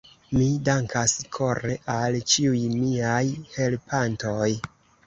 Mi dankas kore al ĉiuj miaj helpantoj.